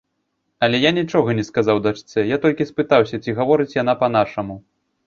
Але я нічога не сказаў дачцэ, я толькі спытаўся, ці гаворыць яна па-нашаму.